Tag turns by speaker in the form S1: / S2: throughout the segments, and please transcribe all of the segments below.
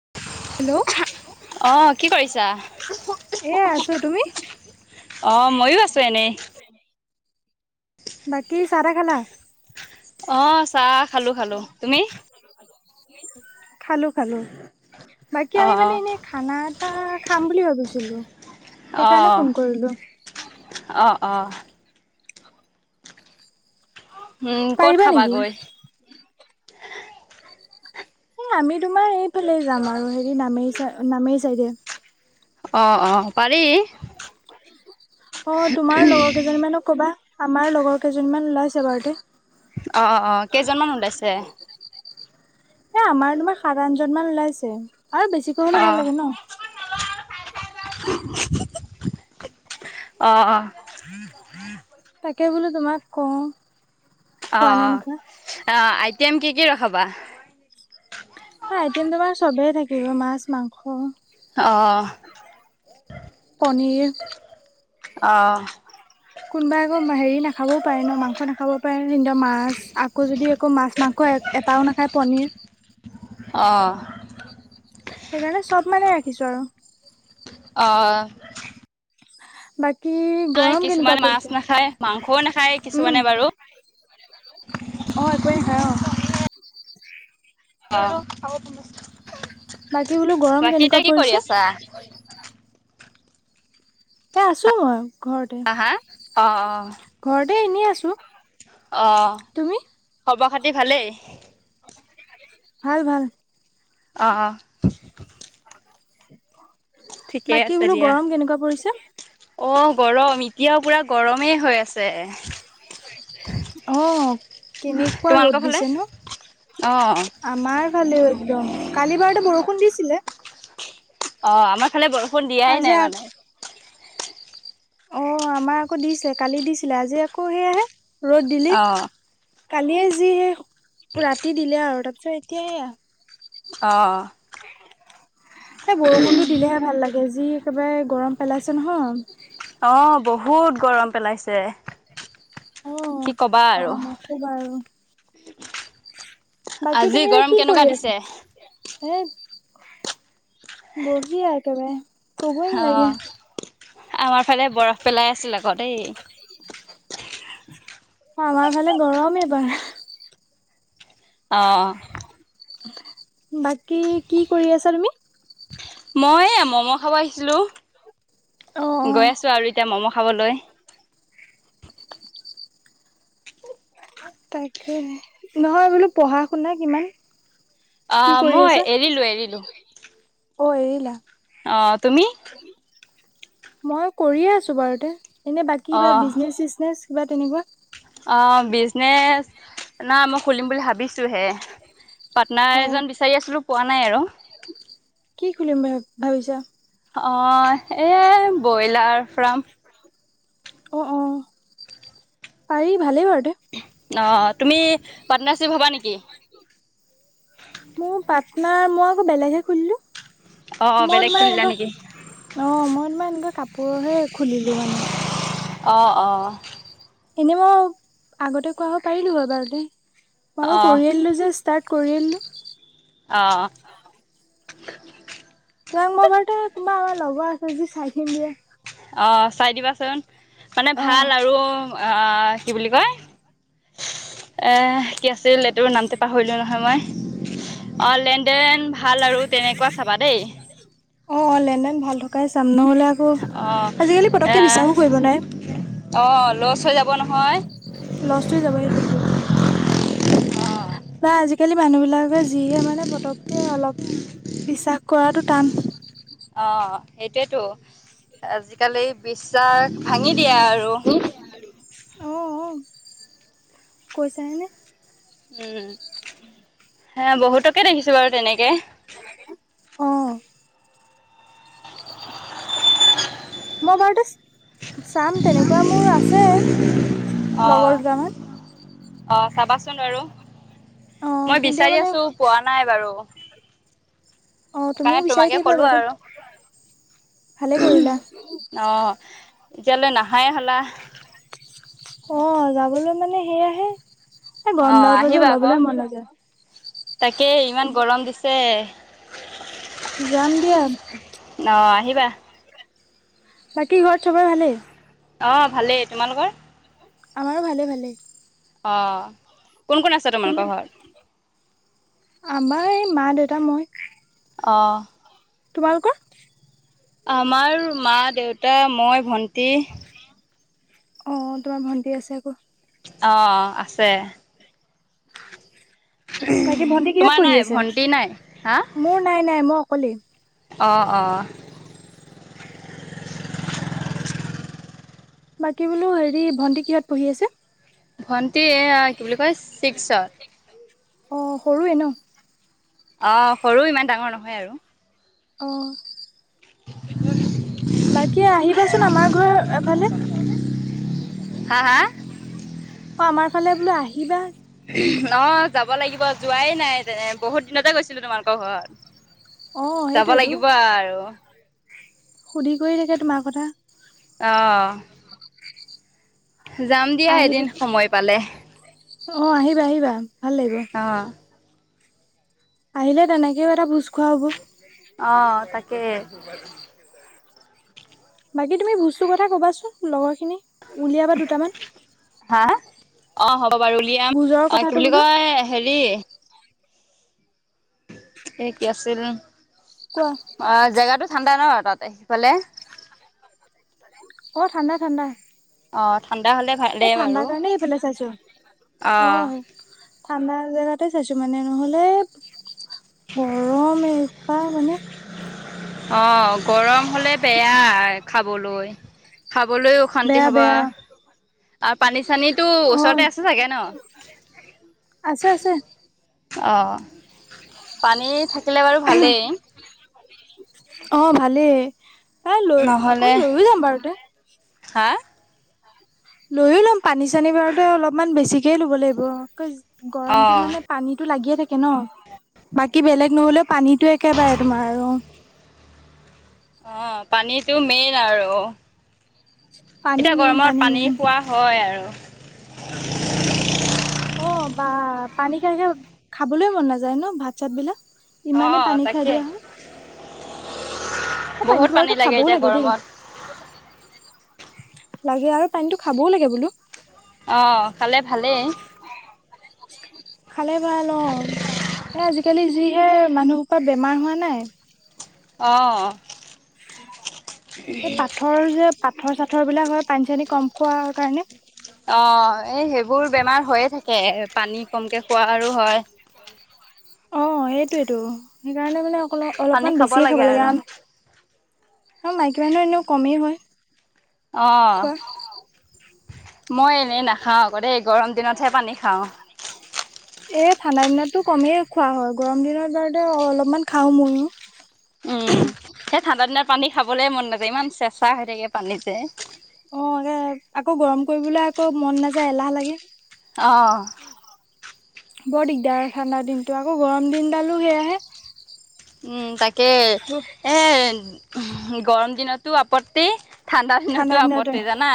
S1: [inaudible] Hello অ
S2: অ' কি কৰিছা?
S1: কি কৰিছা এ আছোঁ তুমি।
S2: অহ মইয়ো আছোঁ এনেই।
S1: বাকী চাহ টাহ খালা।
S2: অহ চাহ খালোঁ খালোঁ তুমি।
S1: খালো, খালো। বাকি
S2: অ'
S1: আমি মানে
S2: অ'
S1: এনেই খানা এটা খাম বুলি ভাবিছিলো। সেইকাৰণে ফোন কৰিলো।
S2: অ' অ' উম, ক'ত
S1: পাৰিবা নেকি
S2: খাবাগৈ?
S1: এ আমি তোমাৰ এইফালে যাম আৰু হেৰি নামেৰি চাই, নামেৰি চাইডে।
S2: অ অ পাৰি
S1: অ তোমাৰ লগৰ কেইজনী মানক কবা আমাৰ লগৰ কেইজনী মান ওলাইছে বাৰুতে
S2: অ' অ' কেইজনমান ওলাইছে?
S1: এ আমাৰ তোমাৰ সাত আঠজন মান ওলাইছে আৰু বেছিকৈ হলে ভাল
S2: অ'
S1: লাগে ন
S2: অ [unintelligible]
S1: তাকে বোলো তোমাক
S2: অ
S1: খোৱা নে নোখোৱা
S2: আহ আইটেম কি কি ৰখাবা
S1: আইটেম তোমাৰ চবে থাকিব মাছ মাংস
S2: আহ
S1: পনীৰ [unintelligible]
S2: আহ
S1: কোনোবাই একো হেৰি নাখাবও পাৰে ন মাংস নাখাবও পাৰে ন মাছ আকৌ যদি আ মাছ মাংস আ এটাও নাখায় পনীৰ
S2: অঁ
S1: সেইকাৰণে চব মানে ৰাখিছো আৰু
S2: অ
S1: বাকী
S2: নাই
S1: গৰম কেনেকুৱা
S2: কিছুমান মাছ নাখায়, মাংসও নাখায়
S1: পৰিছে উম
S2: কিছুমানে বাৰু।
S1: অ একোৱে নাখায় অ
S2: অ [unintelligible]
S1: বাকী বোলো গৰম
S2: বাকী
S1: কেনেকুৱা
S2: এতিয়া কি কৰি
S1: পৰিছে
S2: আছা
S1: এ আছো মই ঘৰতে,
S2: হা হা? অ' অ'
S1: ঘৰতে এনেই আছো।
S2: অ',
S1: তুমি
S2: খবৰ-খাতি ভালেই?
S1: ভাল, ভাল।
S2: অ', অ'।
S1: [unintelligible]
S2: ঠিকে
S1: বাকী
S2: আছে
S1: বোলো
S2: দিয়া।
S1: গৰম কেনেকুৱা পৰিছে
S2: অ', গৰম ই এতিয়াও পুৰা গৰমেই হৈ আছে।
S1: অ', কেনেকুৱা
S2: তোমালোকৰ
S1: ৰ'দ
S2: ফালে?
S1: দিছে ন?
S2: অ'
S1: আমাৰ ভালে একদম, কালি বাৰতে বৰষুণ দিছিলে।
S2: অ', আমাৰ ফালে বৰষুণ দিয়াই
S1: আজি
S2: নাই
S1: আকৌ
S2: মানে।
S1: অ', আমাৰ আকৌ দিছে, কালি দিছিলে আজি আকৌ সেয় আহে ৰ'দ দিলেই।
S2: অ'
S1: কালিয়ে যি ৰাতি দিলে আৰু তাৰপিছত এতিয়া এয়া।
S2: অ'।
S1: এই বৰষুণতটো দিলেহে ভাল লাগে, যি একেবাৰে গৰম পেলাইছে নহয়।
S2: অ', বহুত গৰম পেলাইছে। কি
S1: অ',
S2: ক'বা আৰু
S1: পাম আছো বাৰু। বাকী
S2: আজি
S1: তুমি এনে
S2: গৰম
S1: কি
S2: কেনেকুৱা
S1: কৰি
S2: দিছে।
S1: আছা? এনে বহি আৰু একেবাৰে কবই নালাগে।
S2: অ' আমাৰ ফালে বৰফ পেলাই আছিল আকৌ দেই।
S1: আমাৰ ফালে গৰম এইবাৰ।
S2: অ'।
S1: বাকী, কি কৰি আছা তুমি?
S2: মই এইয়া ম'ম' খাব আহিছিলোঁ।
S1: অ' অ'
S2: গৈ আছো আৰু এতিয়া ম'ম' খাবলৈ।
S1: তাকে, নহয় বোলো পঢ়া-শুনা কিমান কি
S2: অ'
S1: কৰি
S2: মই
S1: আছা?
S2: এৰিলো এৰিলো।
S1: অ', এৰিলা।
S2: অ', তুমি?
S1: মই কৰিয়ে আছো বাৰুতে, এনে বাকী কিবা
S2: অ'
S1: বিজনেচ -চিজনেচ কিবা তেনেকুৱা।
S2: অ বিজনেচ, না মই খুলিম বুলি ভাবি টোহে,
S1: অ
S2: পাৰ্টনাৰ এজন বিচাৰি আছিলোঁ পোৱা নাই আৰু।
S1: কি খুলিম ভ ভাবিছা?
S2: অ', এই ব্ৰইলাৰ ফাৰ্ম
S1: অ', অ', পাৰি ভালেই বাৰু
S2: অ', তুমি পাৰ্টনাৰশ্বিপ হবা নিকি?
S1: মোৰ পাটনাৰ, মই আকৌ বেলেগহে খুলিলো।
S2: অ'
S1: মই
S2: বেলেগ
S1: মানে
S2: খুলিলা
S1: এনেকুৱা
S2: নেকি
S1: অ', মই তোমাৰ এনেকুৱা কাপোৰহে খুলিলো মানে।
S2: [unintelligible]
S1: এনেই মই আগতে কৰাব পাৰিলোঁ হয় বাৰুতে, মই আকৌ
S2: অ'
S1: কৰিয়ে দিলো যে ষ্টাৰ্ট। কৰিলোঁ।
S2: অ'।
S1: তাক মই বাৰুতে তোমাৰ আমাৰ লগৰ আছে যি চাই থিম দিয়ে।
S2: অ', চাই দিবাচোন মানে
S1: অ
S2: ভাল আৰু আ কি বুলি কয় এ কি আছিল এতোৰ নামতে পাহৰিলো নহয় মই। অ', লেন ণ্ডেন
S1: অ', অ', লেন-দেন ভাল থকাই চাম নহ'লে আক ও,
S2: অ'
S1: আজিকালি
S2: এ
S1: পতককে বিশ্বাসো কৰিব নোৱাৰে।
S2: চৈ যাব নহয়।
S1: লছ হৈ যাব সেইটো সেইটোয়ে।
S2: অ'
S1: বা আজিকালি মানুহ বিলাকে যিহে মানে পতককে অলপ বিশ্বাস কৰাটো টান।
S2: সেইটোৱেতো, আজিকালি বিশ্বাস ভাঙি দিয়ে আৰু।
S1: অঁ অঁ কৈছাহেনে।
S2: উম হে বহুতকে দেখিছো বাৰু তেনেকে।
S1: অ [unintelligible] মই বৰটাছ চাম তেনেকুৱা, মোৰ আছে
S2: অ
S1: লগৰ দুটামান।
S2: অ চাবাচোন বাৰু,
S1: অ
S2: মই
S1: কিন্তু
S2: বিচাৰি
S1: মানে
S2: আছো পোৱা নাই বাৰু।
S1: অ
S2: সেইকাৰণে
S1: তুমিও বিচাৰি
S2: তোমাকে
S1: থাকিবা
S2: ক'লো
S1: বাৰু।
S2: আৰু
S1: ভালে কৰিলা।
S2: অ এতিয়ালৈ নাহাই হ'লা
S1: অ যাবলৈ মানে সেয়া এই
S2: অ
S1: গৰম লাল প যে
S2: আহিবা আকৌ
S1: ওলাবলে মন যায়।
S2: তাকে ইমান গৰম দিছে।
S1: যাম দিয়া।
S2: অ আহিবা
S1: বাকী ঘৰত চবেই ভালে?
S2: অ ভালেই তোমালোকৰ?
S1: আমাৰো ভালে ভালে।
S2: অহ কোন কোন আছে
S1: তুমি
S2: তোমালোকৰ ঘৰত?
S1: আমাৰ এই মা- দেউতা, মই।
S2: অহ।
S1: তোমালোকৰ?
S2: আমাৰ মা, দেউতা, মই, ভন্টি।
S1: অ তোমাৰ ভণ্টি আছে আকৌ।
S2: অ আছে।
S1: বাকী ভন্টি কিহত
S2: তোমাৰ
S1: পঢ়ি
S2: নাই
S1: আছে?
S2: ভন্টি নাই
S1: মোৰ নাই নাই মই অকলেই।
S2: অ' অহ।
S1: বাকী বোলো হেৰি ভণ্টি কিহঁত পঢ়ি আছে?
S2: ভণ্টি এ আ কি বুলি কয় চিক্সত।
S1: অ সৰুৱে ন।
S2: অ সৰু ইমান ডাঙৰ নহয় আৰু
S1: আহ
S2: উ [unintelligible]
S1: বাকী আহিবাচোন আমাৰ ঘৰ এফালে
S2: হা হা?
S1: অ আমাৰ ফালে বোলো আহিবা।
S2: ন যাব লাগিব যোৱাই নাই যেনে বহুত দিনতে গৈছিলো তোমালোকৰ ঘৰত।
S1: অ',
S2: যাব
S1: সেইটোয়েতো
S2: লাগিব আৰু।
S1: সুধি কৰি থাকে তোমাৰ কথা?
S2: অ।
S1: অ [inaudible]
S2: দিয়া
S1: আহিব,
S2: এদিন সময় পালে
S1: অ আহিবা আহিবা। ভাল লাগিব।
S2: আহ।
S1: আহিলে তেনেকেও এটা ভোজ খোৱা হ'ব।
S2: আহ তাকে।
S1: বাকী তুমি বস্তুৰ কথা ক'বাচোন লগৰখিনি, উলিয়াবা দুটামান।
S2: অ হ'ব বাৰু উলিয়াম,
S1: ভোজৰ
S2: অ কি
S1: কথাটো
S2: বুলি
S1: বোলো
S2: কয় হেৰি এ কি আছিল
S1: কোৱা
S2: অ জেগাতো ঠাণ্ডা ন। বাতে সেইফালে?
S1: অ ঠাণ্ডা ঠাণ্ডা।
S2: অঁ ঠাণ্ডা হ'লে
S1: এ
S2: ভালেই
S1: ঠাণ্ডাৰ
S2: বাৰু
S1: কাৰণে সেইফালে চাইছো অ।
S2: অঁ
S1: ঠাণ্ডা জেগাতে চাইছো মানে নহলে গৰম এনেকুৱা মানে
S2: আহ গৰম হলে বেয়া খাবলৈ খাবলৈ অশান্তি
S1: বেয়া
S2: হ'বা
S1: বেয়া
S2: আৰু পানী চানী তো ওচৰতে
S1: অ',
S2: আছে চাগে ন
S1: আছে আছে
S2: অ পানী থাকিলে বাৰু ভালেই
S1: অ ভালেই তাই লৈ আকৌ
S2: নহ'লে
S1: লৈয়ও যাম বাৰু তে
S2: হা
S1: লৈও ল'ম পানী চানী বাৰুতে অলপমান বেছিকে ল'ব লাগিব গৰমতো
S2: অ'
S1: মানে পানীতো লাগিয়ে থাকে ন বাকী বেলেগ নহ'লেও পানী সেটো একেবাৰে তোমাৰ আৰু
S2: অ পানীটো মেইন আৰু
S1: পানী
S2: এতিয়া
S1: মেইন
S2: গৰমত পানী
S1: মেইন
S2: খোৱা হয় আৰু
S1: অ বা পানী খাই খাই খাবলৈ মন নাযায় ন ভাত চাত বিলাক ইমানেই
S2: অ'
S1: পানী খাই
S2: তাকে
S1: দিয়া হয় অ
S2: বহুত
S1: পানীটো
S2: পানী
S1: বাৰু খাবও
S2: এতিয়া
S1: লাগে দেই
S2: গৰমত
S1: লাগে আৰু পানীটো খাবও লাগে বোলো
S2: আহ খালে ভালেই
S1: খালে ভাল অ এ আজিকালি যি এয়া মানুহ সোপা বেমাৰ হোৱা নাই
S2: অ
S1: এই পাথৰ যে পাথৰ চা পথৰ বিলাক হয় পানী চানী কম খোৱাৰ কাৰণে
S2: অ এই সেইবোৰ বেমাৰ হৈয়ে থাকে পানী কমকে খোৱা আৰু হয়
S1: অ এইটোয়েইটো সেইকাৰণে মানে অ অলপমান বেছিয়ে খাব লাগে আম এ মাইকীমানুহ এনেও কমেই হয়
S2: অ
S1: খোৱা
S2: মই এনেই নাখাওঁ আকৌ দেই গৰম দিনতহে পানী খাওঁ
S1: এ ঠাণ্ডা দিনতো কমেই খোৱা হয় গৰম দিনত বা অলপমান খাও ময়ো [unintelligible]
S2: উম [unintelligible] এ ঠাণ্ডা দিনত পানী খাবলেই মন নাযায় ইমান চেঁচা হৈ থাকে পানী যে।
S1: অ এ আকৌ গৰম কৰিবলৈ আকৌ মন নাযায় এলাহ লাগে।
S2: অঁ
S1: বৰ দিগদাৰ ঠাণ্ডা দিনটো আকৌ গৰম দিনডালো সেয়াহে [unintelligible]
S2: উম তাকে এ গৰম দিনতো আপত্তি ঠাণ্ডাৰ
S1: ঠাণ্ডা
S2: দিনতো
S1: দিনতে
S2: আপত্তি জানা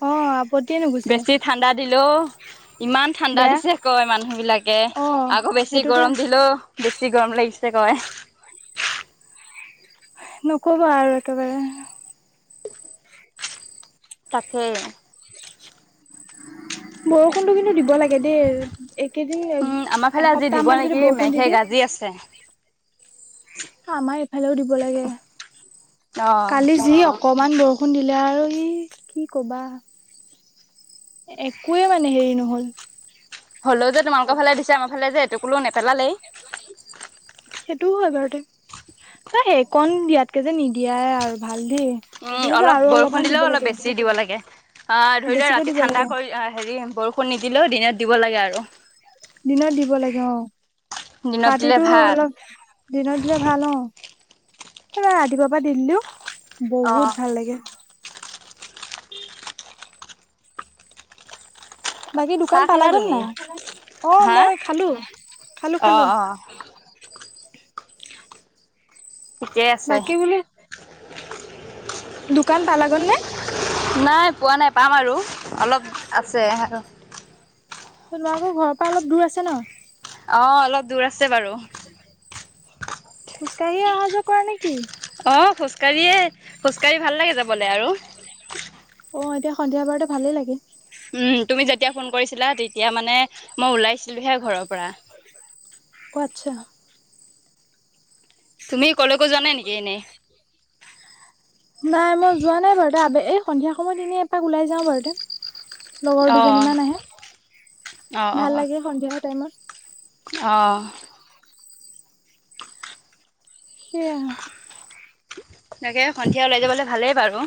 S1: অ আপত্তিয়ে নুগুছে
S2: বেছি ঠাণ্ডা দিলোঁ ইমান ঠাণ্ডা
S1: বেয়া
S2: দিছে কয় মানুহ বিলাকে
S1: অ
S2: আকৌ বেছি
S1: সেইটোতো
S2: গৰম দিলেও বেছি গৰম লাগিছে কয়
S1: নুকবা আৰু একেবাৰে [unintelligible]
S2: তাকে
S1: বৰষুণটো কিন্তু দিব লাগে গেদ এইকেইদিন
S2: উম, আমাৰ ফালে আজি
S1: এসপ্তাহ
S2: দিব
S1: মান যদি
S2: নেকি
S1: বৰষুণ দি
S2: মেঘে
S1: দিয়ে
S2: গাজি আছে
S1: [unintelligible] আমাৰ ইফালেও দিব লাগে
S2: অ'।
S1: কালি যি অকমান বৰষুণ শু দিলে আৰু সি কি কবা [unintelligible] একোৱে মানে হেৰি নহল
S2: হলেও যে তোমালোকৰ ফালে দিছে আমাৰ ফালে যে এটোপুলিও নেপেলালেই [unintelligible]
S1: সেইটোও হয় বাৰুতে ত সেই কণ দিয়াতকে যে নিদিয়াই আৰু ভাল [unintelligible]
S2: উম
S1: হ'লেও যে
S2: অলপ
S1: আৰু
S2: বৰষুণ
S1: অলপমান দিব
S2: দিলেও অলপ
S1: লাগে
S2: বেছি দিব লাগে আহ ধৰি লোৱা
S1: বেছিকে
S2: ৰাতি
S1: দিব
S2: ঠাণ্ডা
S1: লাগে
S2: কৰি হেৰি বৰষুণ নিদিলেও দিনত দিব লাগে আৰু
S1: দিনত দিব লাগে অ
S2: দিনত দিলে
S1: ৰাতিটো
S2: ভাল
S1: অলপ দিনত দিলে ভাল অ ৰাতিপুৱাৰ পৰা দি দিলো
S2: অ',
S1: বহুত ভাল লাগে [unintelligible] বাকী দোকান
S2: চাহ খালা
S1: পালাগৈ
S2: তুমি
S1: নাই? অ
S2: হা
S1: মই খালো, খালো- খালো।
S2: অ',
S1: [inaudible]
S2: অ'। ঠিকেই আছে।
S1: বাকী বোলে দোকান পালাগৈ নে?
S2: নাই পোৱা নাই পাম আৰু অলপ আছে।
S1: তোনো আকৌ ঘৰৰ পৰা অলপ দূৰ আছে ন।
S2: অ অলপ দূৰ আছে বাৰু।
S1: খোজ কঢ়িয়ে অহা যোৱা কৰা নেকি?
S2: আহ খোজকাঢ়িয়ে- খোজকাাঢ়ি ভাল লাগে যাবলৈ আৰু
S1: অ এতিয়া সন্ধিয়া বাৰতে ভালেই লাগে
S2: উম তুমি যেতিয়া ফোন কৰিছিলা তেতিয়া মানে মই ওলাইছিলোহে ঘৰৰ পৰা।
S1: আচ্ছা
S2: তুমি কলেকো যোৱা নাই নেকি এনেই।
S1: নাই মই যোৱা নাই বাৰুতে আব এই সন্ধিয়া সময় এনেই এপাক ওলাই যাওঁ বাৰুতে। লগৰ দুজনী
S2: অ',
S1: মান আহে, ভাল লাগে সন্ধিয়া টাইমত।
S2: অহঁ।
S1: সেইয়া।
S2: তাকে সন্ধিয়া ওলাই যাবলৈ ভালেই বাৰু।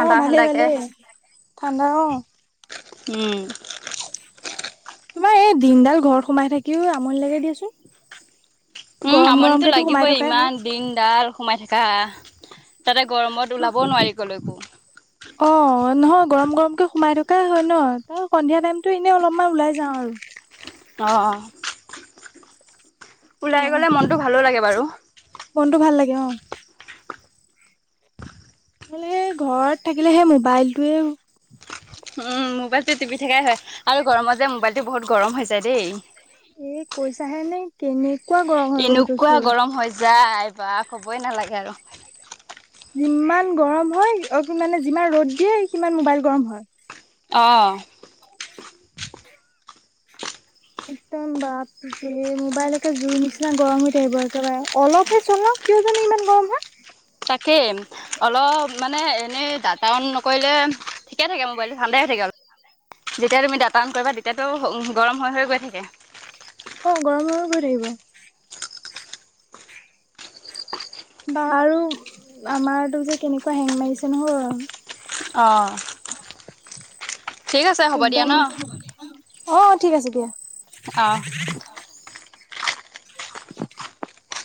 S1: অ ভালেই
S2: ঠাণ্ডাকে।
S1: ভালেই ঠাণ্ডা অ।
S2: উম।
S1: তোমাৰ এই দিনডাল ঘৰত সোমাই থাকিও আমনি লাগে দিয়াচোন।
S2: উম
S1: গৰম
S2: আমনিতো
S1: গৰমকেতো সোমাই
S2: লাগিবই
S1: থকাই হয়
S2: ইমান দিনডাল সোমাই থকা। তাতে গৰমত ওলাব নোৱাৰি কৈলৈকো।
S1: অ নহয় গৰম গৰমকে সোমাই থকা হয় ন ত সন্ধিয়া টাইমতো এনেই অলপমান ওলাই যাওঁ আৰু।
S2: অঁ অঁ
S1: তোমাৰ
S2: ভালো লাগে বাৰু।
S1: মনটো ভাল লাগে অ মানে ঘৰত থাকিলে সেই মোবাইলটোৱে
S2: উ মোবাইলটো টিপি থকাই হয় আৰু গৰমত যে মোবাইলটো বহুত গৰম হৈ যায় দেই
S1: এ কৈছাহে নে কেনে
S2: এনেকুৱা গৰম হৈ যায় বা ক'বই নালাগে আৰু
S1: যিমান গৰম হয় অ মানে যিমান ৰ'দ দিয়ে সিমান মোবাইল গৰম হয়।
S2: অ।
S1: একদম বাপ ৰে মোবাইলকে জুই নিচিনা গৰম হৈ থাকিব একেবাৰে অলপহে চলাও কিয় জানো ইমান গৰম হয়।
S2: তাকেই অলপ মানে এনেই দা কাম নকৰিলে ঠিকে থাকে মোবাইলটো ঠাণ্ডাই থাকে, অলপ যেতিয়া তুমি দাত অন কৰিবা তেতিয়াতো গৰম হৈ হৈ গৈ থাকে।
S1: অ গৰম হৈ হৈ গৈ থাকিব। বা আৰু আমাতো যে কেনেকুৱা হেং মাৰিছে নহয়
S2: অ ঠিক আছে হ'ব দিয়া
S1: একদম
S2: ন
S1: অ ঠিক আছে দিয়া।
S2: অঁ
S1: [unintelligible]